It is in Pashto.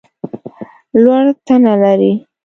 لوړه تنه لرې !